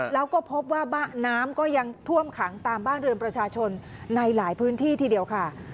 แล้วก็พบว่าน้ำก็ยังท่วมขังตามบ้านเรือนประชาชนในหลายพื้นที่ทีเดียวค่ะ